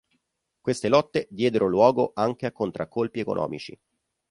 Queste lotte diedero luogo anche a contraccolpi economici.